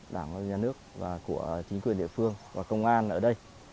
đảng và nhà nước và của chính quyền địa phương và công an ở đây